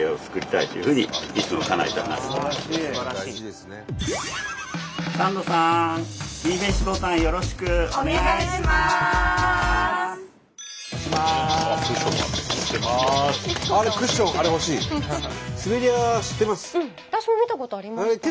私も見たことありました。